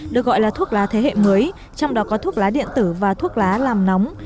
được gọi là thuốc lá thế hệ mới trong đó có thuốc lá điện tử và thuốc lá làm nóng